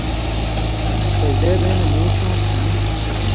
سجدے بیں نہ مُوٹھیوں پھیں